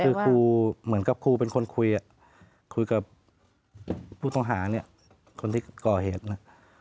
คือครูเหมือนกับครูเป็นคนคุยคุยกับผู้ต้องหาเนี่ยคนที่ก่อเหตุนะ